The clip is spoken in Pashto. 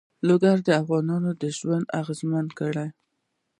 لوگر د افغانانو ژوند اغېزمن کوي.